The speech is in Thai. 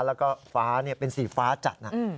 แล้วก็ฟ้าเนี่ยเป็นสีฟ้าจัดนะ